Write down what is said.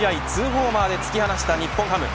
２ホーマーで突き放した日本ハム。